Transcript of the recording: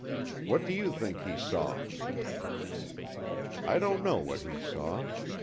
What do you think he saw?" I don't know what he saw.